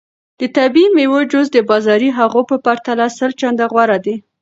د طبیعي میوو جوس د بازاري هغو په پرتله سل چنده غوره دی.